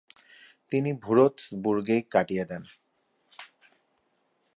তিনি ভুরৎসবুর্গেই কাটিয়ে দেন।